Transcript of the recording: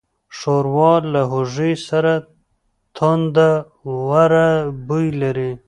ښوروا له هوږې سره تندهوره بوی لري.